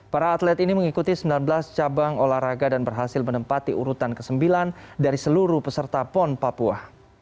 para atlet ini mengikuti sembilan belas cabang olahraga dan berhasil menempati urutan ke sembilan dari seluruh peserta pon papua